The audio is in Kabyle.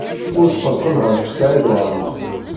Ur tqellqen ɣef Saɛid Waɛmaṛ.